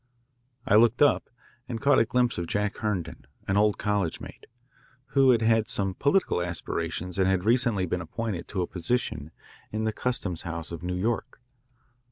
I looked up and caught a glimpse of Jack Herndon, an old college mate, who had had some political aspirations and had recently been appointed to a position in the customs house of New York.